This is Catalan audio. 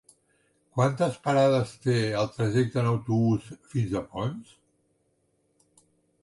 Quantes parades té el trajecte en autobús fins a Ponts?